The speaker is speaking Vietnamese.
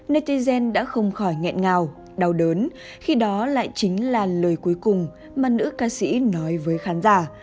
netigen đã không khỏi nghẹn ngào đau đớn khi đó lại chính là lời cuối cùng mà nữ ca sĩ nói với khán giả